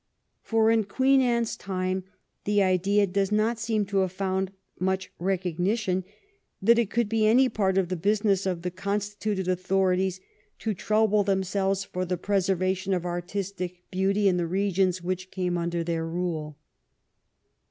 For in Queen Anne's time the idea does not seem to have found much recognition that it could be any part of the business of the consti tuted authorities to trouble themselves for the preserva 215 THE REIGN OP QUEEN ANNE tion of artistic beauty in the regions which came under their rule.